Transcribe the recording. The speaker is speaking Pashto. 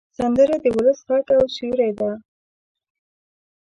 سندره د ولس غږ او سیوری ده